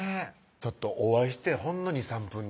ちょっとお会いしてほんの２３分でね